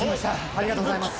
ありがとうございます。